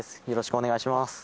よろしくお願いします。